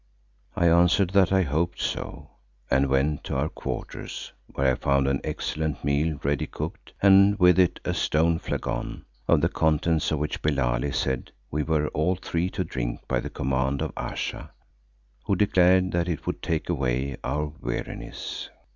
I answered that I hoped so and went to our quarters where I found an excellent meal ready cooked and with it a stone flagon, of the contents of which Billali said we were all three to drink by the command of Ayesha, who declared that it would take away our weariness.